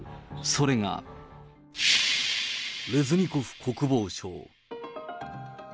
それが、レズニコフ国防相。